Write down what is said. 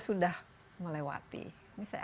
sudah melewati ini saya